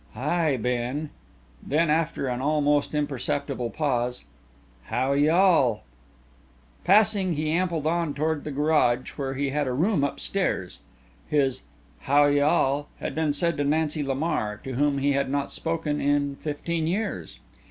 "Hi, Ben " then, after an almost imperceptible pause "How y' all?" Passing, he ambled on toward the garage where he had a room up stairs. His "How y'all" had been said to Nancy Lamar, to whom he had not spoken in fifteen years.